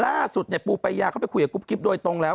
ล่าสุดปูปายาเข้าไปคุยกับกุ๊กกิ๊บโดยตรงแล้ว